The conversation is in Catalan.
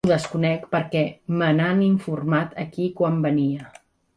Ho desconec perquè me n’han informat aquí quan venia.